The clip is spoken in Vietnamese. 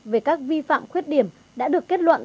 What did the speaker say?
về các vi phạm khuyết điểm đã được kết luận